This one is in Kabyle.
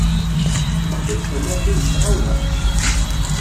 Tmeqqi-d tamart-iw s tɣawla.